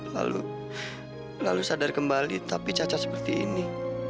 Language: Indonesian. lalu lalu sadar kembali tapi cacat seperti ini